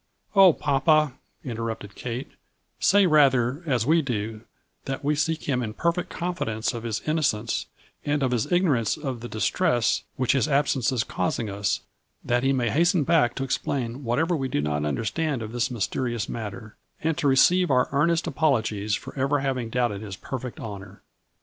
" Oh, papa," interrupted Kate, " say rather, as we do, that we seek him in perfect confidence of his innocence, and of his ignorance of the distress which his absence is causing us, that he may hasten back to explain whatever we do not understand of this mysterious matter, and to receive our earnest apologies for ever having doubted his perfect honor."